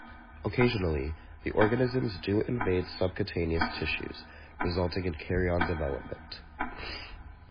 Occasionally the organisms do invade subcutaneous tissues, resulting in kerion development.